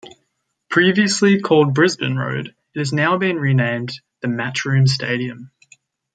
Previously called Brisbane Road, it has now been renamed the Matchroom Stadium.